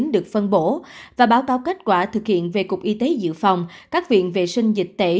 được phân bổ và báo cáo kết quả thực hiện về cục y tế dự phòng các viện vệ sinh dịch tễ